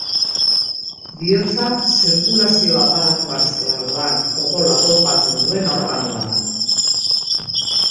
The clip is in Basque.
Bihotza zirkulazio aparatuan zehar doan odola ponpatzen duen organoa da.